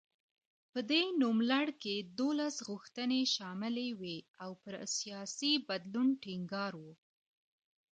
په دې نوملړ کې دولس غوښتنې شاملې وې او پر سیاسي بدلون ټینګار و.